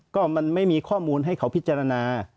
ก็มันไม่มีข้อมูลให้เขาพิจารณา